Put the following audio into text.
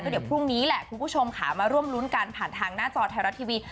เดี๋ยวพรุ่งนี้แหละคุณผู้ชมค่ะมาร่วมรุ้นกันผ่านทางหน้าจอไทยรัฐทีวี